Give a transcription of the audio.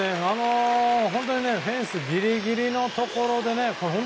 本当にフェンスギリギリのところでね。